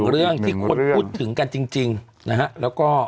เรื่องที่คนพูดถึงกันจริงนะฮะแล้วก็